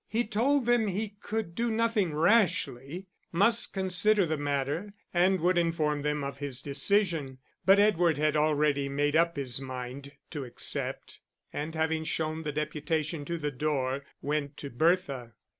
He told them he could do nothing rashly, must consider the matter, and would inform them of his decision. But Edward had already made up his mind to accept, and having shown the deputation to the door, went to Bertha.